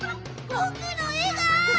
ぼくのえが！